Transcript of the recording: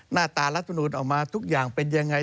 หน้าตารัฐมนุนออกมาทุกอย่างเป็นยังไง